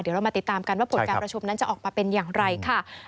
เดี๋ยวเรามาติดตามกันว่าผลการประชุมนั้นจะออกมาเป็นอย่างไรค่ะ